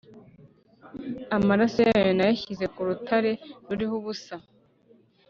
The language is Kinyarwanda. Amaraso yawo nayashyize ku rutare ruriho ubusa